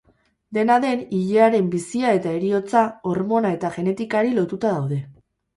Dena den, ilearen bizia eta heriotza, hormona eta genetikari lotuta daude.